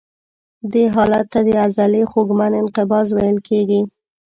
دې حالت ته د عضلې خوږمن انقباض ویل کېږي.